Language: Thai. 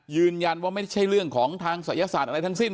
ยืนยันว่าไม่ใช่เรื่องของทางศัยศาสตร์อะไรทั้งสิ้น